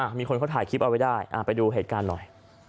มีคนเขาถ่ายคลิปเอาไว้ได้ไปดูเหตุการณ์หน่อย